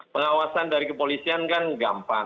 pengawasan dari kepolisian kan gampang